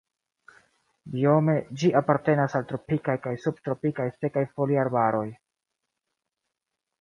Biome ĝi apartenas al tropikaj kaj subtropikaj sekaj foliarbaroj.